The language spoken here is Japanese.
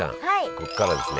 ここからはですね